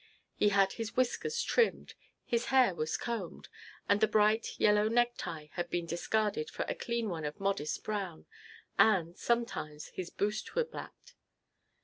He had his whiskers trimmed, his hair was combed, and the bright yellow necktie had been discarded for a clean one of modest brown, and, sometimes, his boots were blacked.